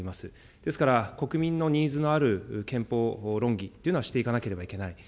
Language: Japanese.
ですから、国民のニーズのある憲法論議というのはしていかなければいけない。